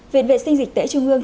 viện vệ sinh dịch tễ trung ương